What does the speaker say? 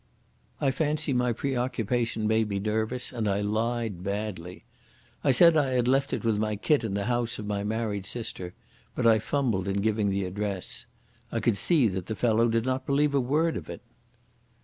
I fancy my preoccupation made me nervous and I lied badly. I said I had left it with my kit in the house of my married sister, but I fumbled in giving the address. I could see that the fellow did not believe a word of it.